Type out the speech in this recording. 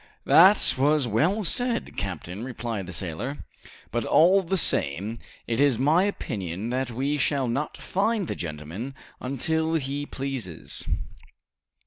"That was well said, captain," replied the sailor, "but, all the same, it is my opinion that we shall not find the gentleman until he pleases."